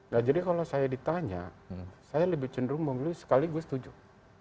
nah jadi kalau saya ditanya saya lebih cenderung memilih sekaligus setuju